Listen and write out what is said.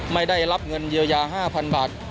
ไม่ได้รับเงินเยียวยา๕๐๐๐บาท